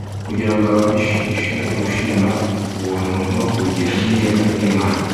Kugira ngo ababashishe gushima ubuutu no kugira neza kw'Imana,